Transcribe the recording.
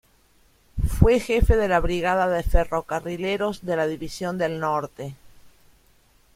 Fue jefe de la brigada de ferrocarrileros de la División del Norte.